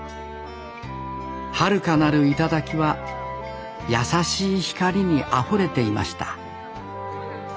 遥かなる頂は優しい光にあふれていました